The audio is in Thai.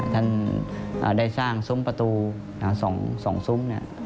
ท่านได้สร้างสุมประตู๒สุมนะ